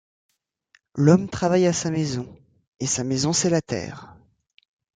L’homme travaille à sa maison, et sa maison c’est la terre.